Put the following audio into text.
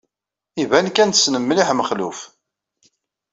Iban kan tessnem mliḥ Mexluf.